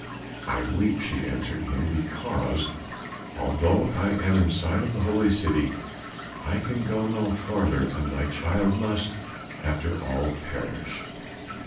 "I weep," she answered him, "because, although I am in sight of the Holy City, I can go no further and my child must, after all, perish."